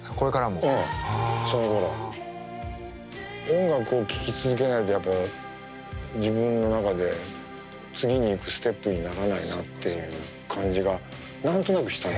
音楽を聴き続けないとやっぱ自分の中で次に行くステップにならないなっていう感じが何となくした。